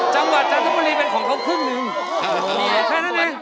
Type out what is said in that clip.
จังหวัดจันทบุรีเป็นของเขาครึ่งนึง